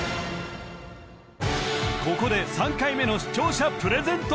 ここで３回目の視聴者プレゼント